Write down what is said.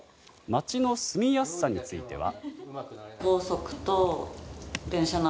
街の住みやすさについては。